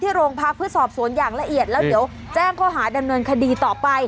โรงพักเพื่อสอบสวนอย่างละเอียดแล้วเดี๋ยวแจ้งข้อหาดำเนินคดีต่อไป